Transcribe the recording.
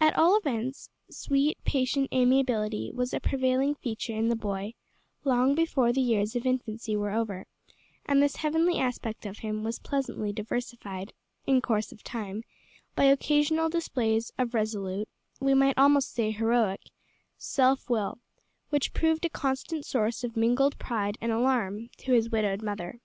At all events, sweet, patient amiability was a prevailing feature in the boy long before the years of infancy were over, and this heavenly aspect of him was pleasantly diversified, in course of time, by occasional displays of resolute we might almost say heroic self will, which proved a constant source of mingled pride and alarm to his widowed mother.